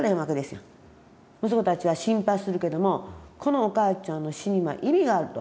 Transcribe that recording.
息子たちは心配するけどもこのお母ちゃんの死には意味があると。